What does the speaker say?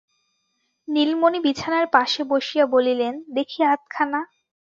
নীলমণি বিছানার পাশে বসিয়া বলিলেন-দেখি হাতখানা?